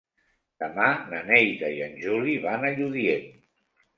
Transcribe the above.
Demà na Neida i en Juli van a Lludient.